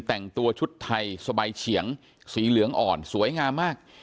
แต่งตัวชุดไทยสบายเฉียงสีเหลืองอ่อนสวยงามมาก